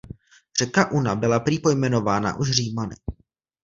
Řeka Una byla prý pojmenována už Římany.